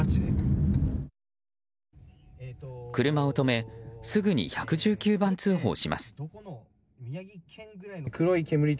車を止めすぐに１１９番通報します。